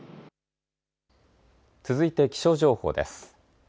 続いて気象情報です。